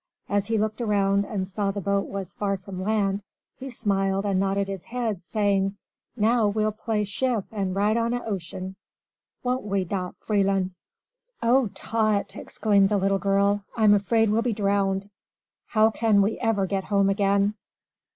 As he looked around and saw the boat was far from land, he smiled and nodded his head, saying, "Now we'll play ship, an' ride on 'e ocean. Won't we, Dot F'eelun'?" "Oh, Tot!" exclaimed the little girl; "I'm afraid we'll be drowned. How can we ever get home again?"